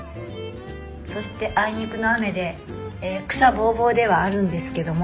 「そしてあいにくの雨で草ボーボーではあるんですけども」